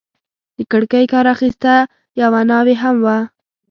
د کړکۍ کار اخیسته، یوه ناوې هم وه.